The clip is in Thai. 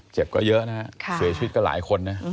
เจ็บก็เยอะนะฮะเสียชีวิตก็หลายคนนะ